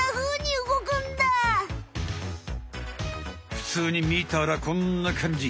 ふつうにみたらこんなかんじ。